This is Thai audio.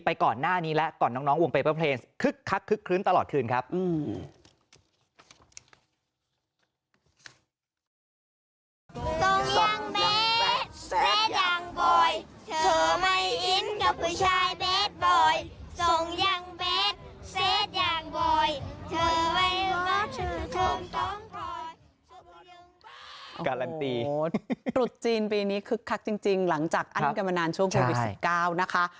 ปลุกจีนปีนี้คิกคักจริงหลังจากอันกรรมนาญช่วงผู้บิขาว